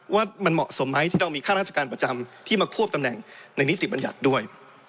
ว่ามันเหมาะสมไหมที่ต้องมีค่าราชการประจำที่มาควบตำแหน่งในนิติบัญญัติด้วย